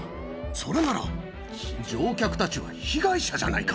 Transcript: それなら乗客たちは被害者じ